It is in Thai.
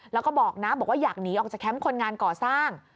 แล้วก็บอกนะบอกว่าอยากหนีออกจากแคมป์คนงานก่อสร้าง